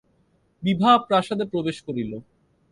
বিভা প্রাসাদে প্রবেশ করিল।